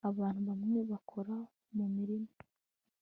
abantu bamwe bakora mumirima